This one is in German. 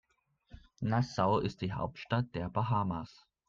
Nassau ist die Hauptstadt der Bahamas.